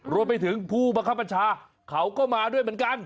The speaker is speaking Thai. รวมไปถึงผู้ปภาษาเขาก็มาด้วยเหมือนกัน